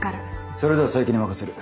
それでは佐伯に任せる。